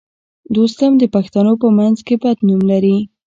دوستم د پښتنو په منځ کې بد نوم لري